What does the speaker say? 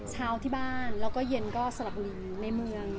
เช้าที่บ้านแล้วก็เย็นก็สลับบุรี